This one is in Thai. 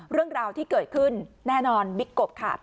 เรื่องราวที่เกิดขึ้นแน่นอนบิ๊กกบค่ะ